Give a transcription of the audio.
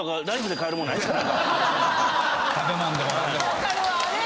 分かるわ。